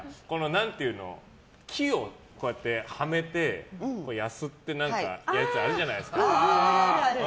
木をはめてやすってやるやつあるじゃないですか。